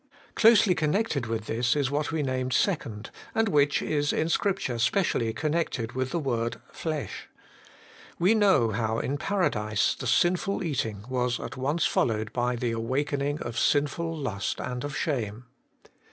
Closely connected with this is what we named second, and which is in Scripture specially connected with the word flesh. We know how in Paradise the sinful eating was at once followed by the awakening of sinful lust and of shame.